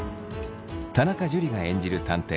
田中樹が演じる探偵